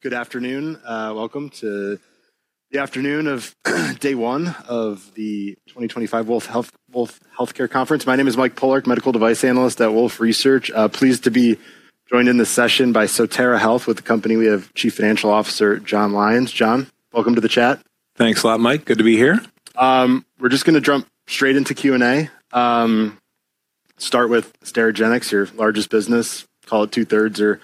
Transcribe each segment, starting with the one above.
Good afternoon. Welcome to the afternoon of day one of the 2025 Wolfe Healthcare Conference. My name is Mike Polark, Medical Device Analyst at Wolfe Research. Pleased to be joined in this session by Sotera Health. With the company, we have Chief Financial Officer Jon Lyons. Jon, welcome to the chat. Thanks a lot, Mike. Good to be here. We're just going to jump straight into Q&A. Start with Sotera Health, your largest business. Call it two-thirds or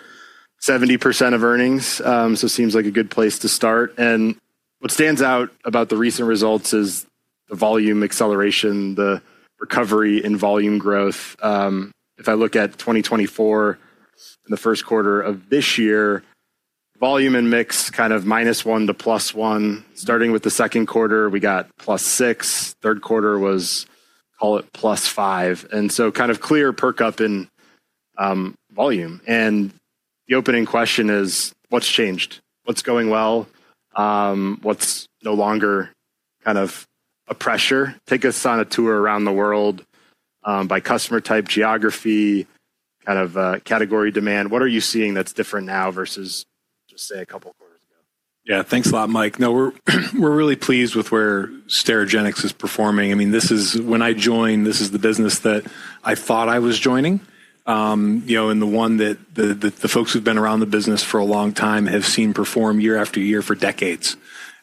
70% of earnings. It seems like a good place to start. What stands out about the recent results is the volume acceleration, the recovery in volume growth. If I look at 2024 and the first quarter of this year, volume and mix kind of minus one to plus one. Starting with the second quarter, we got plus 6. Third quarter was, call it plus 5. It is a clear perk up in volume. The opening question is, what's changed? What's going well? What's no longer kind of a pressure? Take us on a tour around the world by customer type, geography, kind of category demand. What are you seeing that's different now versus, just say, a couple of quarters ago? Yeah, thanks a lot, Mike. No, we're really pleased with where Sotera Health is performing. I mean, this is when I joined, this is the business that I thought I was joining, you know, and the one that the folks who've been around the business for a long time have seen perform year after year for decades.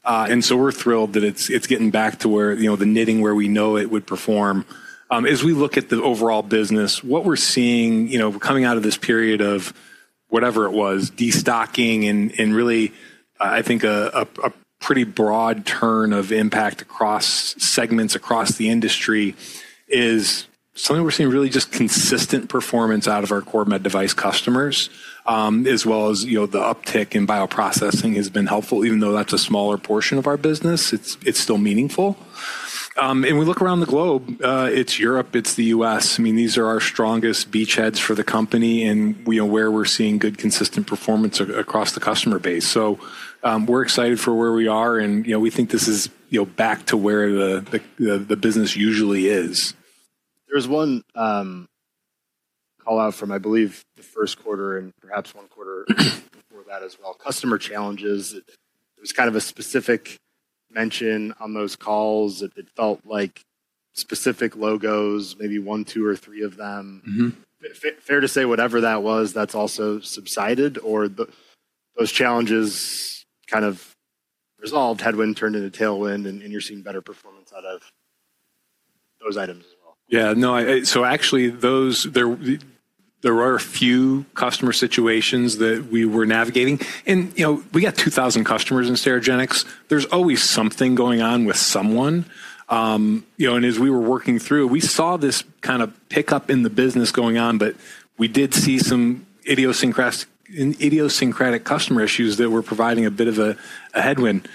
We're thrilled that it's getting back to where the knitting where we know it would perform. As we look at the overall business, what we're seeing coming out of this period of whatever it was, destocking and really, I think, a pretty broad turn of impact across segments across the industry is something we're seeing really just consistent performance out of our core med device customers, as well as the uptick in bioprocessing has been helpful, even though that's a smaller portion of our business, it's still meaningful. We look around the globe, it's Europe, it's the U.S.. I mean, these are our strongest beachheads for the company and where we're seeing good consistent performance across the customer base. We are excited for where we are and we think this is back to where the business usually is. There's one call out from, I believe, the first quarter and perhaps one quarter before that as well, customer challenges. There was kind of a specific mention on those calls that it felt like specific logos, maybe one, 2 or 3 of them. Fair to say whatever that was, that's also subsided or those challenges kind of resolved, headwind turned into tailwind and you're seeing better performance out of those items as well. Yeah, no, so actually there are a few customer situations that we were navigating and we got 2,000 customers in Sotera Health. There's always something going on with someone. As we were working through, we saw this kind of pickup in the business going on, but we did see some idiosyncratic customer issues that were providing a bit of a headwind.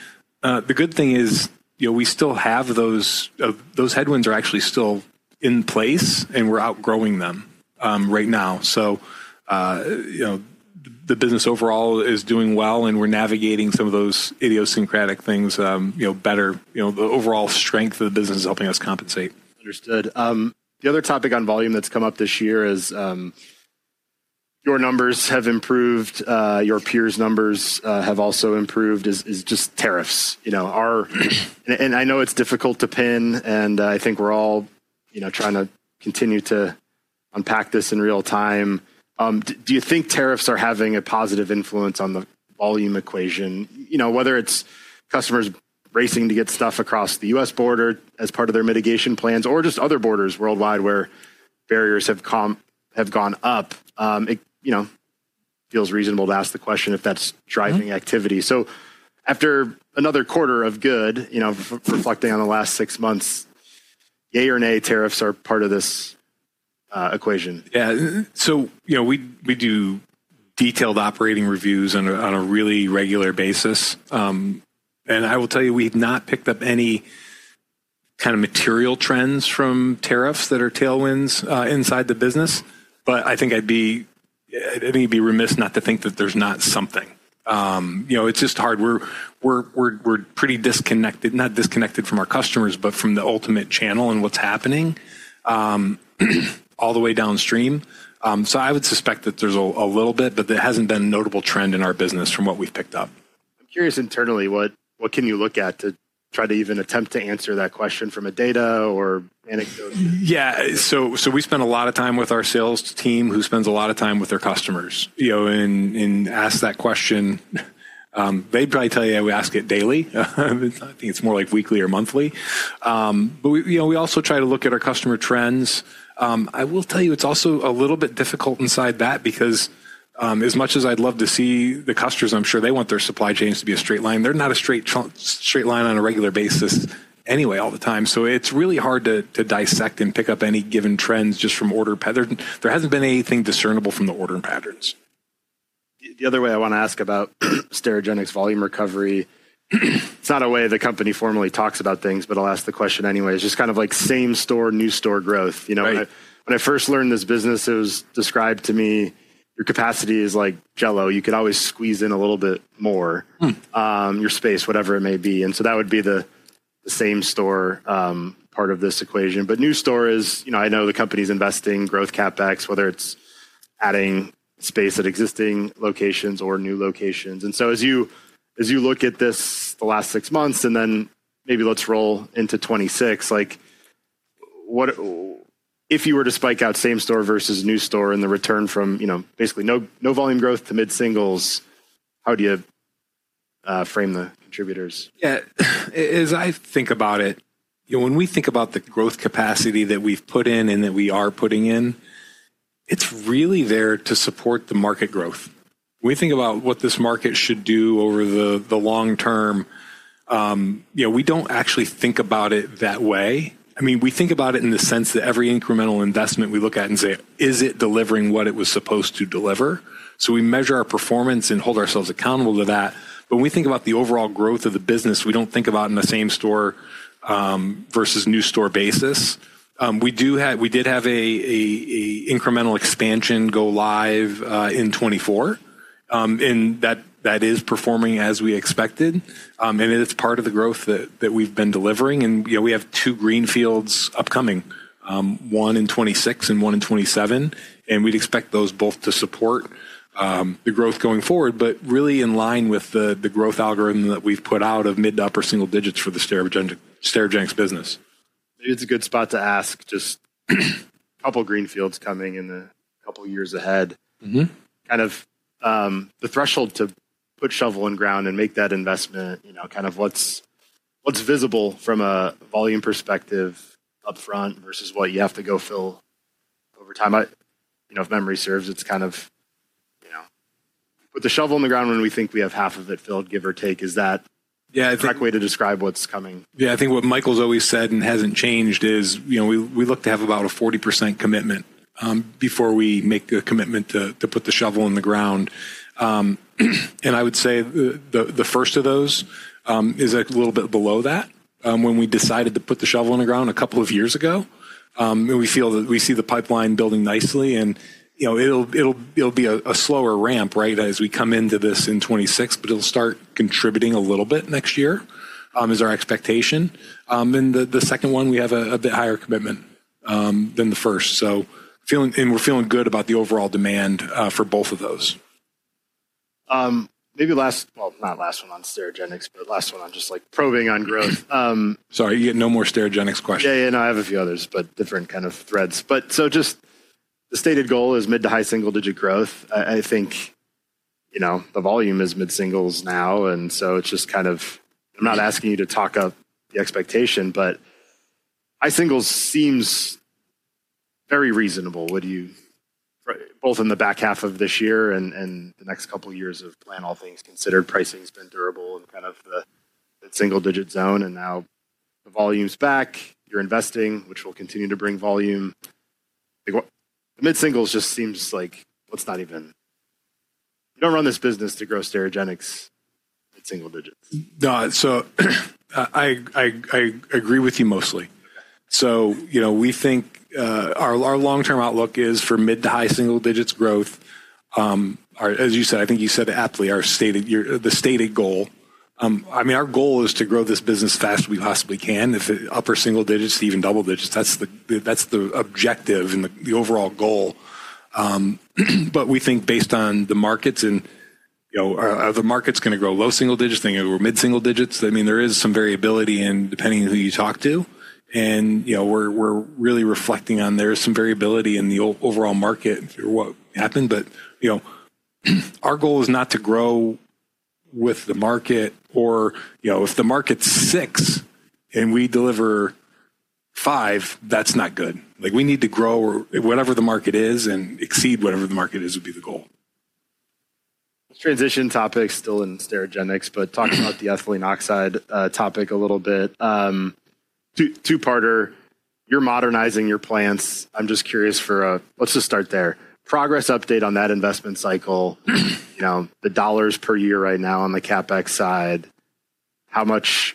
The good thing is we still have those headwinds are actually still in place and we're outgrowing them right now. The business overall is doing well and we're navigating some of those idiosyncratic things better. The overall strength of the business is helping us compensate. Understood. The other topic on volume that's come up this year is your numbers have improved, your peers' numbers have also improved, is just tariffs. I know it's difficult to pin and I think we're all trying to continue to unpack this in real time. Do you think tariffs are having a positive influence on the volume equation, whether it's customers racing to get stuff across the U.S. border as part of their mitigation plans or just other borders worldwide where barriers have gone up? It feels reasonable to ask the question if that's driving activity. After another quarter of good, reflecting on the last 6 months, yay or nay, tariffs are part of this equation. Yeah, we do detailed operating reviews on a really regular basis. I will tell you, we've not picked up any kind of material trends from tariffs that are tailwinds inside the business, but I think I'd be remiss not to think that there's not something. It's just hard. We're pretty disconnected, not disconnected from our customers, but from the ultimate channel and what's happening all the way downstream. I would suspect that there's a little bit, but there hasn't been a notable trend in our business from what we've picked up. I'm curious internally, what can you look at to try to even attempt to answer that question from a data or anecdote? Yeah, so we spend a lot of time with our sales team who spends a lot of time with their customers. Ask that question, they'd probably tell you, we ask it daily. I think it's more like weekly or monthly. We also try to look at our customer trends. I will tell you, it's also a little bit difficult inside that because as much as I'd love to see the customers, I'm sure they want their supply chains to be a straight line. They're not a straight line on a regular basis anyway, all the time. It's really hard to dissect and pick up any given trends just from order patterns. There hasn't been anything discernible from the order patterns. The other way I want to ask about Sotera Health's volume recovery, it's not a way the company formally talks about things, but I'll ask the question anyway. It's just kind of like same store, new store growth. When I first learned this business, it was described to me, your capacity is like Jell-O. You could always squeeze in a little bit more, your space, whatever it may be. That would be the same store part of this equation. New store is, I know the company's investing growth CapEx, whether it's adding space at existing locations or new locations. As you look at this the last 6 months and then maybe let's roll into 2026, if you were to spike out same store versus new store and the return from basically no volume growth to mid-singles, how do you frame the contributors? Yeah, as I think about it, when we think about the growth capacity that we've put in and that we are putting in, it's really there to support the market growth. We think about what this market should do over the long term. I mean, we think about it in the sense that every incremental investment we look at and say, is it delivering what it was supposed to deliver? So we measure our performance and hold ourselves accountable to that. When we think about the overall growth of the business, we don't think about it in the same store versus new store basis. We did have an incremental expansion go live in 2024. That is performing as we expected. It's part of the growth that we've been delivering. We have 2 greenfields upcoming, one in 2026 and one in 2027. We would expect those both to support the growth going forward, but really in line with the growth algorithm that we have put out of mid to upper single digits for the Sotera Health business. Maybe it is a good spot to ask just a couple of greenfields coming in the couple of years ahead. Kind of the threshold to put shovel in ground and make that investment, kind of what is visible from a volume perspective upfront versus what you have to go fill over time. If memory serves, it is kind of put the shovel in the ground when we think we have half of it filled, give or take. Is that the correct way to describe what is coming? Yeah, I think what Michael's always said and hasn't changed is we look to have about a 40% commitment before we make the commitment to put the shovel in the ground. I would say the first of those is a little bit below that when we decided to put the shovel in the ground a couple of years ago. We feel that we see the pipeline building nicely and it'll be a slower ramp, right, as we come into this in 2026, but it'll start contributing a little bit next year is our expectation. The second one, we have a bit higher commitment than the first. We're feeling good about the overall demand for both of those. Maybe last, well, not last one on Sotera Health, but last one on just like probing on growth. Sorry, no more Sotera Health questions. Yeah, yeah, no, I have a few others, but different kind of threads. Just the stated goal is mid to high single digit growth. I think the volume is mid-singles now. It is just kind of, I'm not asking you to talk up the expectation, but high singles seems very reasonable. Both in the back half of this year and the next couple of years of plan, all things considered, pricing has been durable in kind of the single digit zone. Now the volume's back, you're investing, which will continue to bring volume. The mid-singles just seems like let's not even, don't run this business to grow Sotera Health single digits. No, I agree with you mostly. We think our long-term outlook is for mid to high single digits growth. As you said, I think you said aptly the stated goal. I mean, our goal is to grow this business as fast as we possibly can, if upper single digits to even double digits. That is the objective and the overall goal. We think based on the markets and the market is going to grow low single digits, then go over mid-single digits. I mean, there is some variability depending on who you talk to. We are really reflecting on there is some variability in the overall market through what happened. Our goal is not to grow with the market or if the market is 6 and we deliver 5, that is not good. We need to grow whatever the market is and exceed whatever the market is would be the goal. Let's transition topics still in Sotera Health, but talk about the ethylene oxide topic a little bit. 2-parter, you're modernizing your plants. I'm just curious for a, let's just start there. Progress update on that investment cycle, the dollars per year right now on the CapEx side, how much,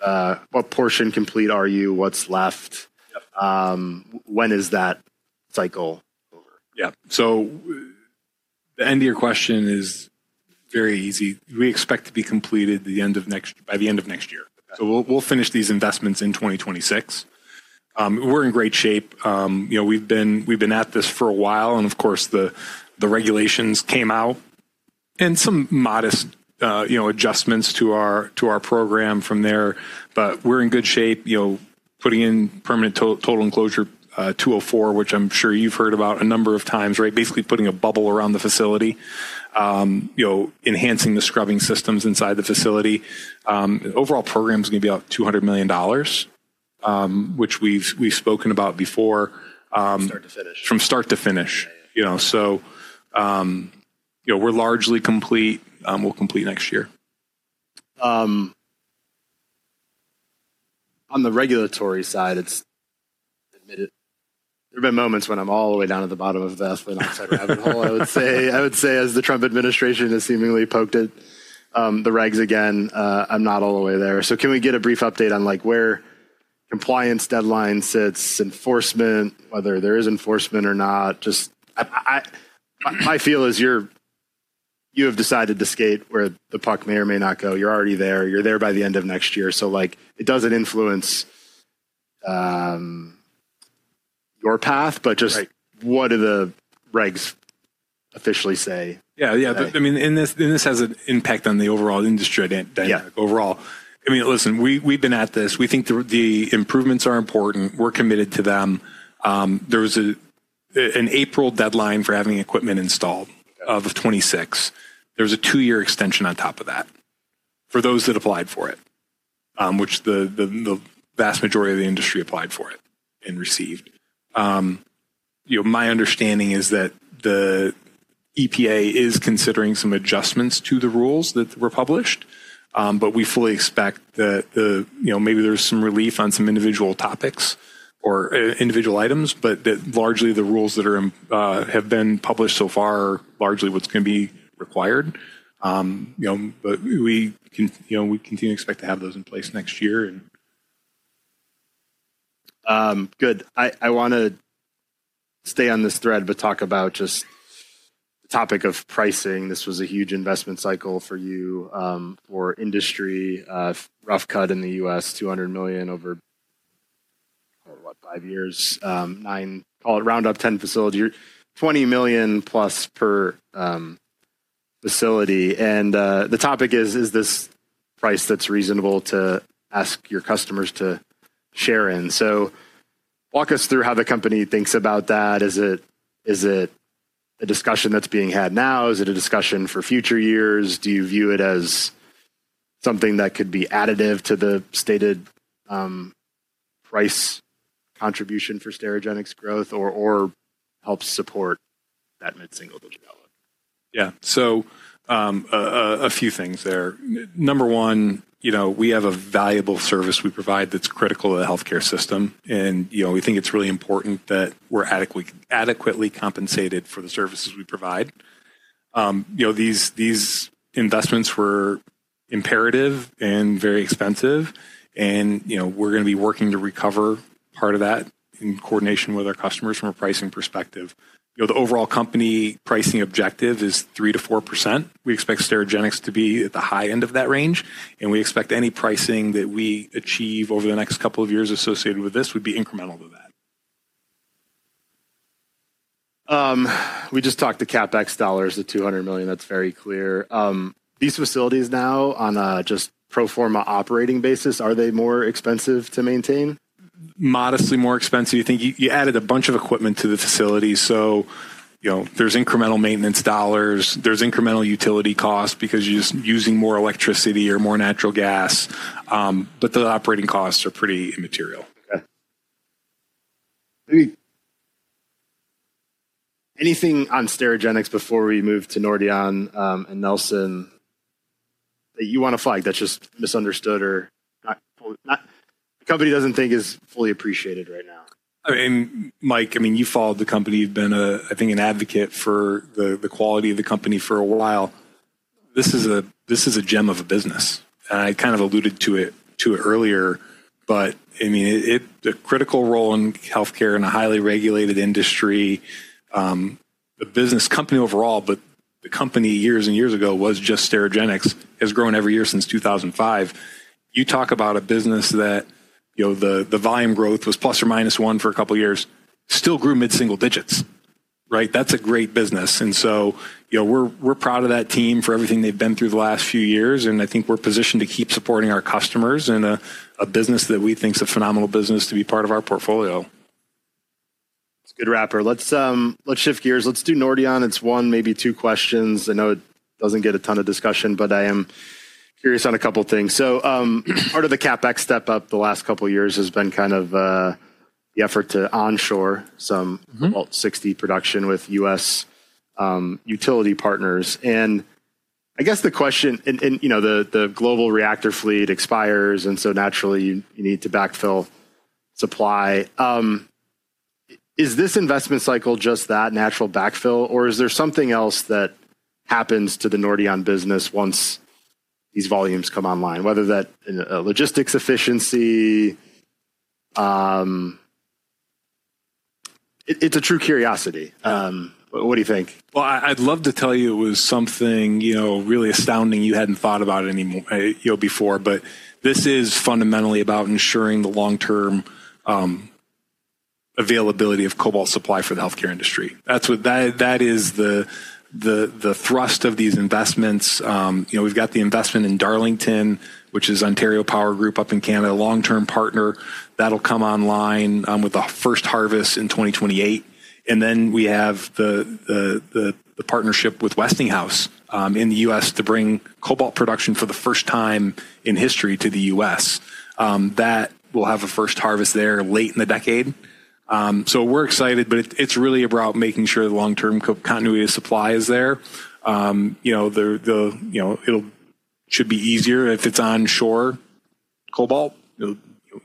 what portion complete are you? What's left? When is that cycle over? Yeah, the end of your question is very easy. We expect to be completed by the end of next year. We'll finish these investments in 2026. We're in great shape. We've been at this for a while. Of course, the regulations came out and some modest adjustments to our program from there, but we're in good shape, putting in permanent total enclosure 204, which I'm sure you've heard about a number of times, right? Basically putting a bubble around the facility, enhancing the scrubbing systems inside the facility. Overall program is going to be about $200 million, which we've spoken about before. From start to finish. From start to finish. We're largely complete. We'll complete next year. On the regulatory side, there have been moments when I'm all the way down at the bottom of the ethylene oxide rabbit hole, I would say, as the Trump administration has seemingly poked at the regs again. I'm not all the way there. Can we get a brief update on where compliance deadline sits, enforcement, whether there is enforcement or not? Just my feel is you have decided to skate where the puck may or may not go. You're already there. You're there by the end of next year. It doesn't influence your path, but just what do the regs officially say? Yeah, yeah. I mean, and this has an impact on the overall industry dynamic overall. I mean, listen, we've been at this. We think the improvements are important. We're committed to them. There was an April deadline for having equipment installed of 2026. There was a 2 year extension on top of that for those that applied for it, which the vast majority of the industry applied for it and received. My understanding is that the EPA is considering some adjustments to the rules that were published, but we fully expect that maybe there's some relief on some individual topics or individual items, but that largely the rules that have been published so far are largely what's going to be required. We continue to expect to have those in place next year. Good. I want to stay on this thread, but talk about just the topic of pricing. This was a huge investment cycle for you, for industry, rough cut in the U.S., $200 million over, what, 5 years, 9, call it round up 10 facilities, $20 million plus per facility. And the topic is this price that's reasonable to ask your customers to share in. So walk us through how the company thinks about that. Is it a discussion that's being had now? Is it a discussion for future years? Do you view it as something that could be additive to the stated price contribution for Sotera Health's growth or helps support that mid-single digit dollar? Yeah, so a few things there. Number one, we have a valuable service we provide that's critical to the healthcare system. We think it's really important that we're adequately compensated for the services we provide. These investments were imperative and very expensive. We're going to be working to recover part of that in coordination with our customers from a pricing perspective. The overall company pricing objective is 3-4%. We expect Sotera Health to be at the high end of that range. We expect any pricing that we achieve over the next couple of years associated with this would be incremental to that. We just talked to CapEx dollars of $200 million. That's very clear. These facilities now on a just pro forma operating basis, are they more expensive to maintain? Modestly more expensive. You think you added a bunch of equipment to the facility. There is incremental maintenance dollars. There is incremental utility costs because you are just using more electricity or more natural gas. The operating costs are pretty immaterial. Anything on Sotera Health before we move to Nordion and Nelson that you want to flag that's just misunderstood or the company doesn't think is fully appreciated right now? I mean, Mike, I mean, you followed the company. You've been, I think, an advocate for the quality of the company for a while. This is a gem of a business. I kind of alluded to it earlier, but I mean, the critical role in healthcare in a highly regulated industry, the business company overall, but the company years and years ago was just Sotera Health, has grown every year since 2005. You talk about a business that the volume growth was plus or minus one for a couple of years, still grew mid-single digits, right? That's a great business. We are proud of that team for everything they've been through the last few years. I think we're positioned to keep supporting our customers and a business that we think is a phenomenal business to be part of our portfolio. That's a good wrapper. Let's shift gears. Let's do Nordion. It's one, maybe 2 questions. I know it doesn't get a ton of discussion, but I am curious on a couple of things. Part of the CapEx step up the last couple of years has been kind of the effort to onshore some 60 production with U.S. utility partners. I guess the question, and the global reactor fleet expires, and so naturally you need to backfill supply. Is this investment cycle just that natural backfill, or is there something else that happens to the Nordion business once these volumes come online, whether that's logistics efficiency? It's a true curiosity. What do you think? I’d love to tell you it was something really astounding. You hadn’t thought about it before, but this is fundamentally about ensuring the long-term availability of cobalt supply for the healthcare industry. That is the thrust of these investments. We’ve got the investment in Darlington, which is Ontario Power Generation up in Canada, a long-term partner. That’ll come online with the first harvest in 2028. We have the partnership with Westinghouse in the U.S. to bring cobalt production for the first time in history to the U.S.. That will have a first harvest there late in the decade. We’re excited, but it’s really about making sure the long-term continuity of supply is there. It should be easier if it’s onshore cobalt,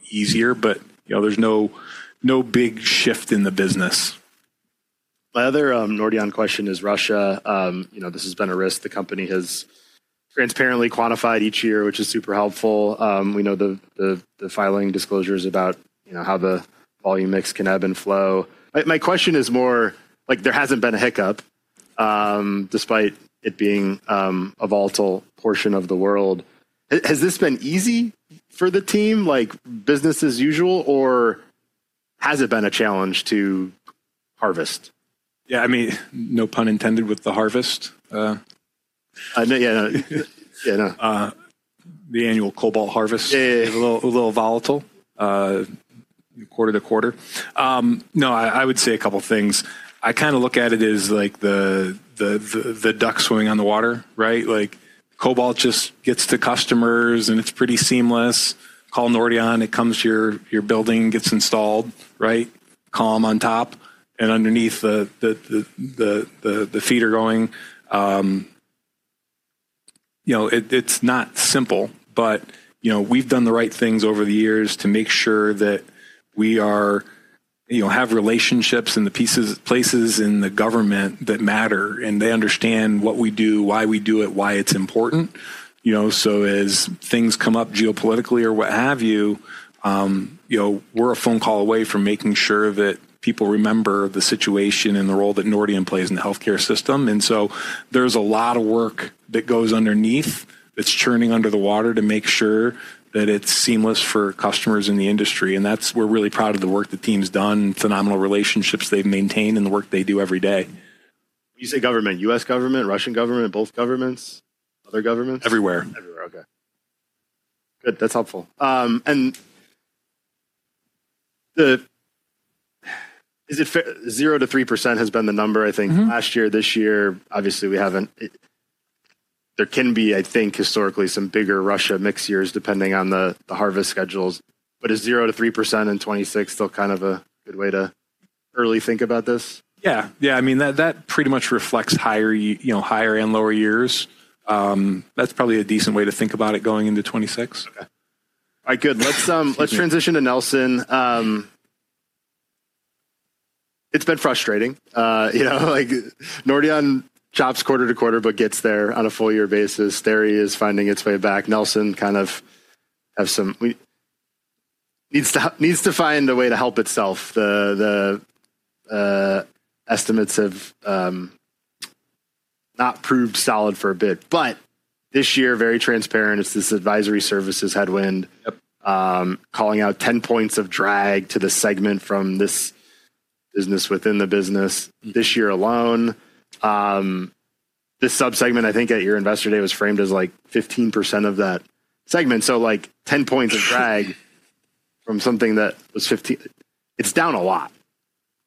easier, but there’s no big shift in the business. My other Nordion question is Russia. This has been a risk. The company has transparently quantified each year, which is super helpful. We know the filing disclosures about how the volume mix can ebb and flow. My question is more like there hasn't been a hiccup despite it being a volatile portion of the world. Has this been easy for the team, like business as usual, or has it been a challenge to harvest? Yeah, I mean, no pun intended with the harvest. Yeah, yeah. The annual cobalt harvest is a little volatile, quarter to quarter. No, I would say a couple of things. I kind of look at it as like the duck swimming on the water, right? Like cobalt just gets to customers and it's pretty seamless. Call Nordion, it comes to your building, gets installed, right? Calm on top and underneath the feeder going. It's not simple, but we've done the right things over the years to make sure that we have relationships in the places in the government that matter and they understand what we do, why we do it, why it's important. As things come up geopolitically or what have you, we're a phone call away from making sure that people remember the situation and the role that Nordion plays in the healthcare system. There is a lot of work that goes underneath, that's churning under the water to make sure that it's seamless for customers in the industry. That is what we're really proud of, the work the team's done, phenomenal relationships they've maintained, and the work they do every day. When you say government, U.S. government, Russian government, both governments, other governments? Everywhere. Everywhere, okay. Good, that's helpful. Is it 0-3% has been the number, I think, last year, this year? Obviously, we haven't. There can be, I think, historically some bigger Russia mix years depending on the harvest schedules. Is 0-3% in 2026 still kind of a good way to early think about this? Yeah, yeah. I mean, that pretty much reflects higher and lower years. That's probably a decent way to think about it going into 2026. Okay. All right, good. Let's transition to Nelson. It's been frustrating. Nordion chops quarter to quarter, but gets there on a full year basis. Derry is finding its way back. Nelson kind of needs to find a way to help itself. The estimates have not proved solid for a bit, but this year, very transparent, it's this advisory services headwind calling out 10 points of drag to the segment from this business within the business this year alone. This subsegment, I think at your investor day, was framed as like 15% of that segment. So like 10 points of drag from something that was 15, it's down a lot.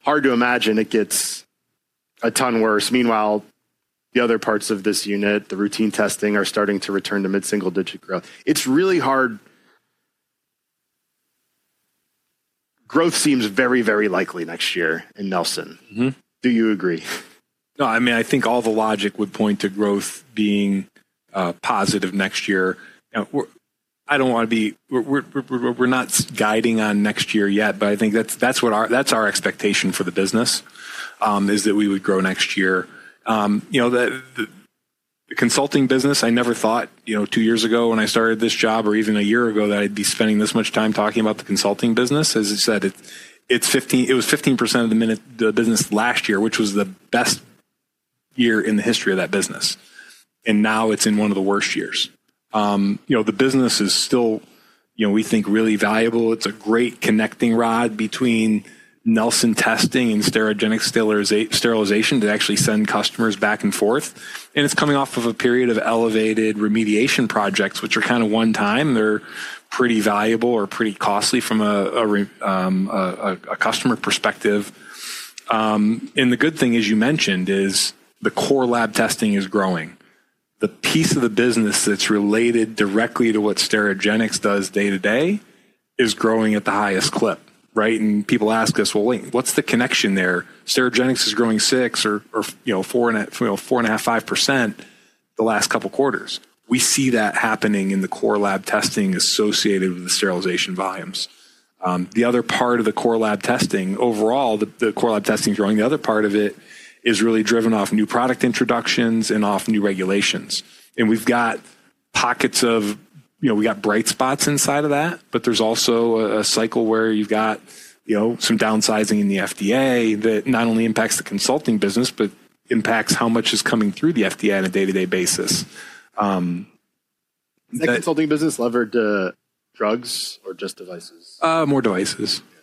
Hard to imagine it gets a ton worse. Meanwhile, the other parts of this unit, the routine testing are starting to return to mid-single digit growth. It's really hard. Growth seems very, very likely next year in Nelson. Do you agree? No, I mean, I think all the logic would point to growth being positive next year. I don't want to be we're not guiding on next year yet, but I think that's our expectation for the business is that we would grow next year. The consulting business, I never thought 2 years ago when I started this job or even a year ago that I'd be spending this much time talking about the consulting business. As I said, it was 15% of the business last year, which was the best year in the history of that business. Now it's in one of the worst years. The business is still, we think, really valuable. It's a great connecting rod between Nelson Labs testing and Sotera Health sterilization to actually send customers back and forth. It's coming off of a period of elevated remediation projects, which are kind of one time. They're pretty valuable or pretty costly from a customer perspective. The good thing, as you mentioned, is the core lab testing is growing. The piece of the business that's related directly to what Sotera Health does day to day is growing at the highest clip, right? People ask us, you know, wait, what's the connection there? Sotera Health is growing 6% or 4.5% the last couple of quarters. We see that happening in the core lab testing associated with the sterilization volumes. The other part of the core lab testing overall, the core lab testing is growing. The other part of it is really driven off new product introductions and off new regulations. We have got pockets of, we got bright spots inside of that, but there is also a cycle where you have got some downsizing in the FDA that not only impacts the consulting business, but impacts how much is coming through the FDA on a day-to-day basis. Is that consulting business levered to drugs or just devices? More devices. Yeah.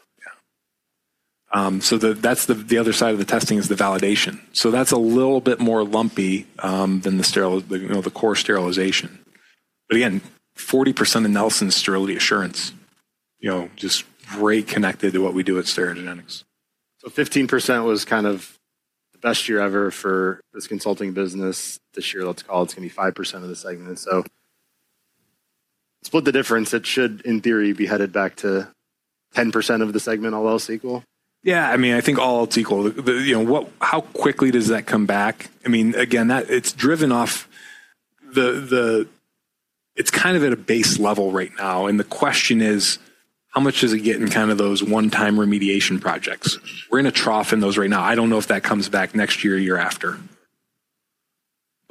That is the other side of the testing is the validation. That is a little bit more lumpy than the core sterilization. Again, 40% of Nelson's sterility assurance just very connected to what we do at Sotera Health. Fifteen percent was kind of the best year ever for this consulting business. This year, let's call it, it's going to be 5% of the segment. Split the difference. It should, in theory, be headed back to 10% of the segment, all else equal? Yeah, I mean, I think all else equal. How quickly does that come back? I mean, again, it's driven off the, it's kind of at a base level right now. The question is, how much is it getting kind of those one-time remediation projects? We're in a trough in those right now. I don't know if that comes back next year or year after.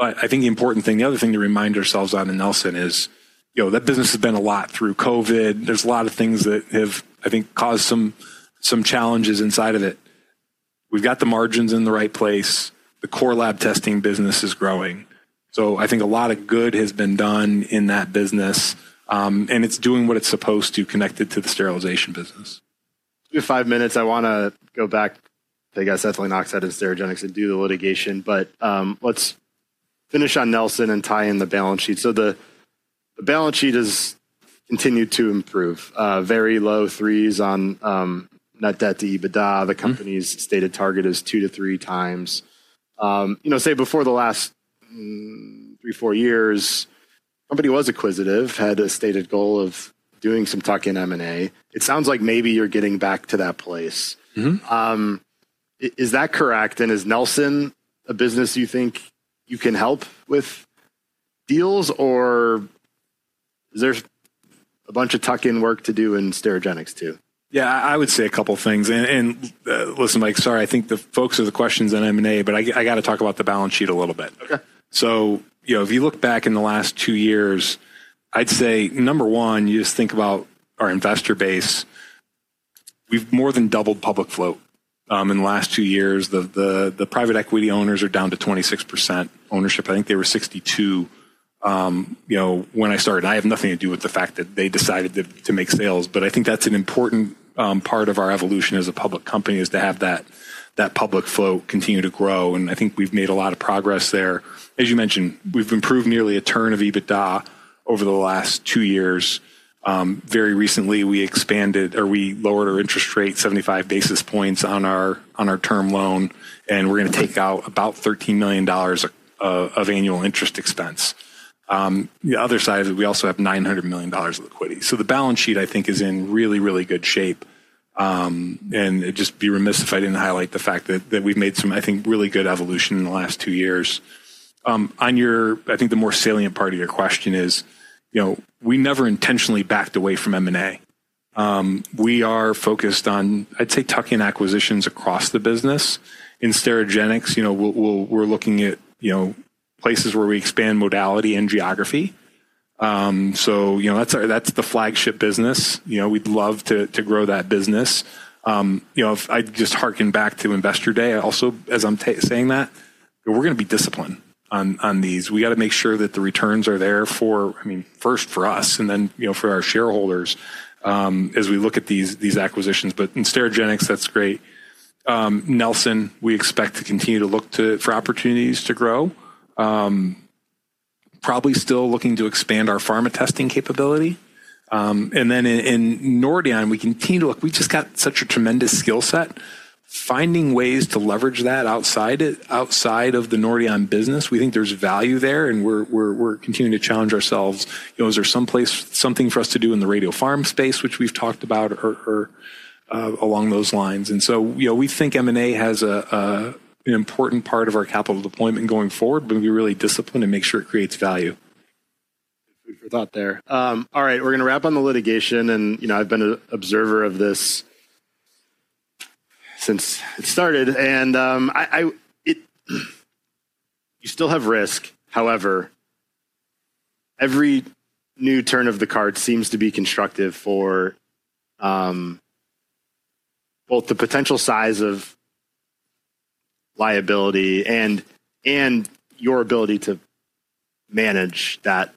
I think the important thing, the other thing to remind ourselves on in Nelson is that business has been a lot through COVID. There's a lot of things that have, I think, caused some challenges inside of it. We've got the margins in the right place. The core lab testing business is growing. I think a lot of good has been done in that business. It's doing what it's supposed to connected to the sterilization business. 2 to 5 minutes, I want to go back to, I guess, definitely knock side of Sotera Health and do the litigation, but let's finish on Nelson and tie in the balance sheet. The balance sheet has continued to improve. Very low 3s on net debt to EBITDA. The company's stated target is 2 to 3 times. Say before the last 3, 4 years, the company was acquisitive, had a stated goal of doing some tuck-in M&A. It sounds like maybe you're getting back to that place. Is that correct? And is Nelson a business you think you can help with deals, or is there a bunch of tuck-in work to do in Sotera Health too? Yeah, I would say a couple of things. Listen, Mike, sorry, I think the folks have the questions on M&A, but I got to talk about the balance sheet a little bit. If you look back in the last 2 years, I'd say number one, you just think about our investor base. We've more than doubled public float in the last 2 years. The private equity owners are down to 26% ownership. I think they were 62% when I started. I have nothing to do with the fact that they decided to make sales, but I think that's an important part of our evolution as a public company is to have that public float continue to grow. I think we've made a lot of progress there. As you mentioned, we've improved nearly a turn of EBITDA over the last 2 years. Very recently, we expanded or we lowered our interest rate 75 basis points on our term loan, and we're going to take out about $13 million of annual interest expense. The other side of it, we also have $900 million of liquidity. The balance sheet, I think, is in really, really good shape. I'd just be remiss if I didn't highlight the fact that we've made some, I think, really good evolution in the last 2 years. I think the more salient part of your question is we never intentionally backed away from M&A. We are focused on, I'd say, tuck-in acquisitions across the business. In Sotera Health, we're looking at places where we expand modality and geography. That's the flagship business. We'd love to grow that business. I'd just hearken back to investor day also, as I'm saying that, we're going to be disciplined on these. We got to make sure that the returns are there for, I mean, first for us and then for our shareholders as we look at these acquisitions. In Sotera Health, that's great. Nelson, we expect to continue to look for opportunities to grow. Probably still looking to expand our pharma testing capability. In Nordion, we continue to look. We just got such a tremendous skill set. Finding ways to leverage that outside of the Nordion business, we think there's value there, and we're continuing to challenge ourselves. Is there something for us to do in the radiopharm space, which we've talked about, or along those lines? We think M&A has an important part of our capital deployment going forward, but we really discipline and make sure it creates value. Food for thought there. All right, we're going to wrap on the litigation. I've been an observer of this since it started. You still have risk. However, every new turn of the card seems to be constructive for both the potential size of liability and your ability to manage that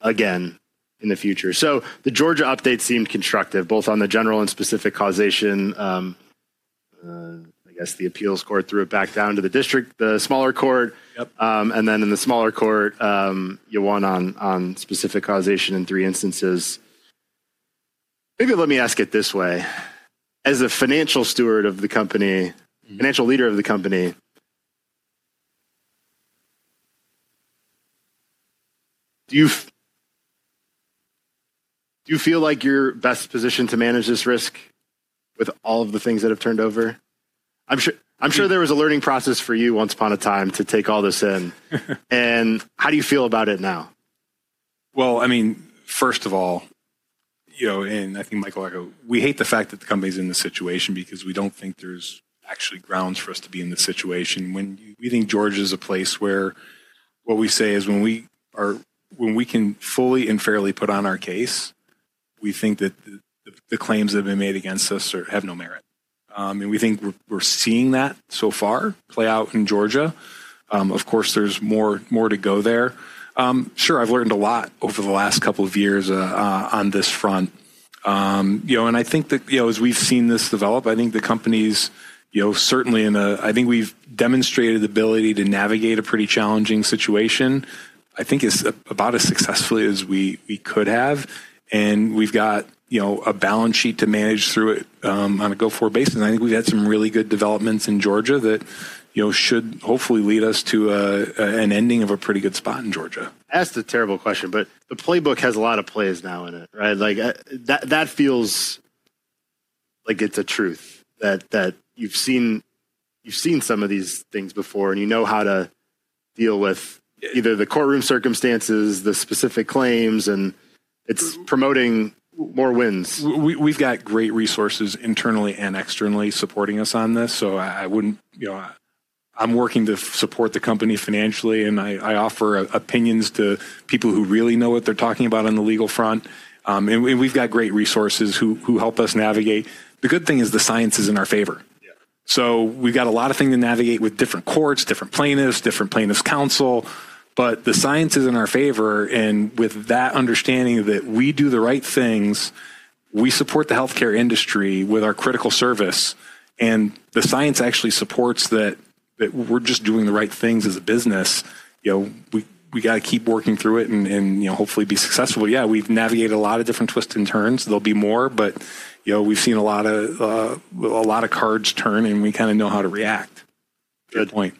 again in the future. The Georgia update seemed constructive, both on the general and specific causation. I guess the appeals court threw it back down to the district, the smaller court. In the smaller court, you won on specific causation in 3 instances. Maybe let me ask it this way. As a financial steward of the company, financial leader of the company, do you feel like you're best positioned to manage this risk with all of the things that have turned over? I'm sure there was a learning process for you once upon a time to take all this in. How do you feel about it now? First of all, and I think, Michael, we hate the fact that the company's in this situation because we don't think there's actually grounds for us to be in this situation. We think Georgia is a place where what we say is when we can fully and fairly put on our case, we think that the claims that have been made against us have no merit. We think we're seeing that so far play out in Georgia. Of course, there's more to go there. Sure, I've learned a lot over the last couple of years on this front. I think that as we've seen this develop, I think the company's certainly in a, I think we've demonstrated the ability to navigate a pretty challenging situation, I think about as successfully as we could have. We have a balance sheet to manage through it on a go-forward basis. I think we have had some really good developments in Georgia that should hopefully lead us to an ending of a pretty good spot in Georgia. That's a terrible question, but the playbook has a lot of plays now in it, right? That feels like it's a truth that you've seen some of these things before and you know how to deal with either the courtroom circumstances, the specific claims, and it's promoting more wins. We've got great resources internally and externally supporting us on this. I'm working to support the company financially, and I offer opinions to people who really know what they're talking about on the legal front. We've got great resources who help us navigate. The good thing is the science is in our favor. We've got a lot of things to navigate with different courts, different plaintiffs, different plaintiffs' counsel. The science is in our favor. With that understanding that we do the right things, we support the healthcare industry with our critical service. The science actually supports that we're just doing the right things as a business. We got to keep working through it and hopefully be successful. Yeah, we've navigated a lot of different twists and turns. There'll be more, but we've seen a lot of cards turn, and we kind of know how to react. Good point.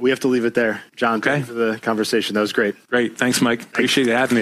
We have to leave it there. Jon, thank you for the conversation. That was great. Great. Thanks, Mike. Appreciate it, Adam.